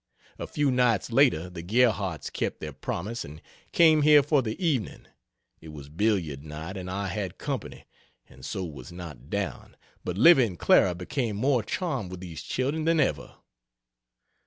A few nights later the Gerhardts kept their promise and came here for the evening. It was billiard night and I had company and so was not down; but Livy and Clara became more charmed with these children than ever.